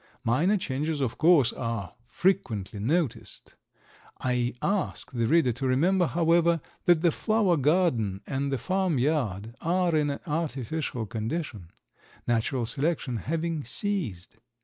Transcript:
Minor changes, of course, are frequently noticed. I ask the reader to remember, however, that the flower garden and the farm yard are in an artificial condition, Natural Selection having ceased.